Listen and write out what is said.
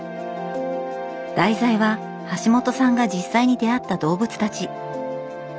題材ははしもとさんが実際に出会った動物たち。